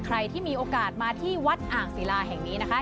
ใครที่มีโอกาสมาที่วัดอ่างศิลาแห่งนี้นะคะ